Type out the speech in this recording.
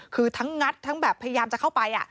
คือทั้งงัดทั้งแบบพยายามจะเข้าไป